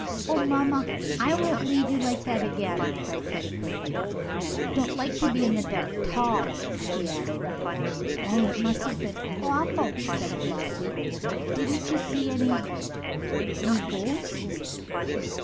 "Oh, mamma, I won't leave you like that again," cried Freddie quickly. "Don't like to be in the dark 'tall," he added. "Oh, it must have been awful," said Flossie. "Didn't you see any any ghosts?"